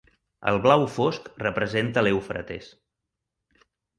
El blau fosc representa l'Eufrates.